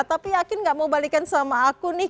tapi yakin gak mau balikin sama aku nih